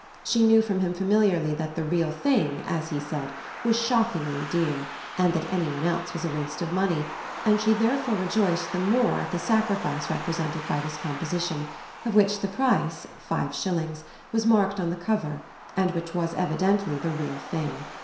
She knew from him familiarly that the real thing, as he said, was shockingly dear and that anything else was a waste of money, and she therefore rejoiced the more at the sacrifice represented by this composition, of which the price, five shillings, was marked on the cover and which was evidently the real thing.